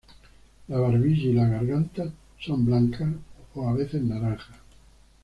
La barbilla y las gargantas son blancas o a veces naranjas.